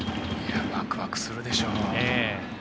ワクワクするでしょう。